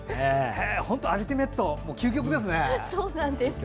本当、アルティメット究極ですね。